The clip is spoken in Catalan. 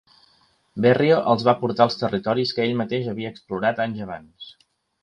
Berrio els va portar als territoris que ell mateix havia explorat anys abans.